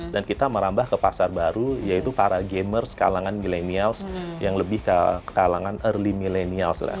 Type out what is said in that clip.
dan kita merambah ke pasar baru yaitu para gamers kalangan millennials yang lebih kalangan early millenials